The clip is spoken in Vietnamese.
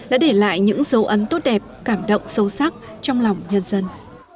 đã để lại những dấu ấn tốt đẹp cảm động sâu sắc trong lòng nhân dân